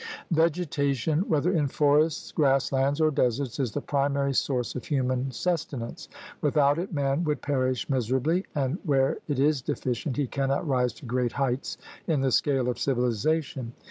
Vegetation, whether in forests, grass lands, or deserts, is the primary source of human suste nance. Without it man would perish miserably; and where it is deficient, he cannot rise to great heights in the scale of civilization.